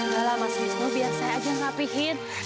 dahlah mas wisnu biar saya aja yang ngapihin